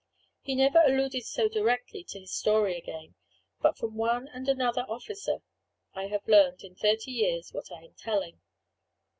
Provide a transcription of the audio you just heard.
He never alluded so directly to his story again; but from one and another officer I have learned, in thirty years, what I am telling.